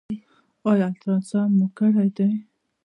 ایا الټراساونډ مو کړی دی؟